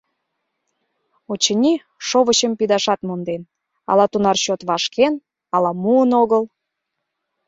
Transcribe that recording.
Очыни, шовычым пидашат монден: ала тунар чот вашкен, ала муын огыл.